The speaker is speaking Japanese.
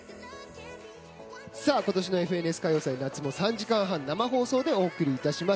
今年の「ＦＮＳ歌謡祭夏」も３時間半生放送でお送りいたします。